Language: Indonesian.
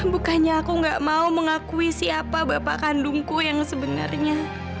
bukannya aku gak mau mengakui siapa bapak kandungku yang sebenarnya